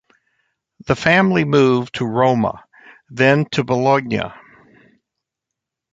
The family moved to Roma, then to Bologna.